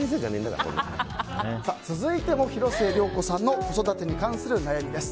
続いても広末涼子さんの子育てに関する悩みです。